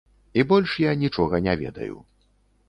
І больш я нічога не ведаю.